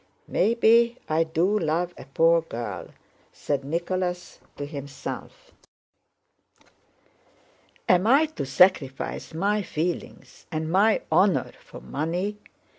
"Maybe I do love a poor girl," said Nicholas to himself. "Am I to sacrifice my feelings and my honor for money?